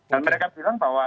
dan mereka bilang bahwa